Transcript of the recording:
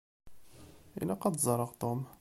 Ilaq ad d-ẓṛeɣ Tom.